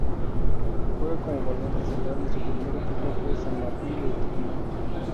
Juega como volante central y su primer equipo fue San Martín de Tucumán.